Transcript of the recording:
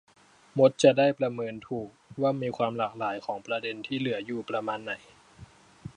มดจะได้ประเมินถูกว่ามีความหลากหลายของประเด็นที่เหลืออยู่ประมาณไหน